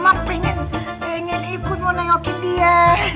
mak pengen ikut mau nengokin dia